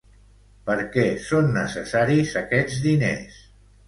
Per què són necessaris aquests diners?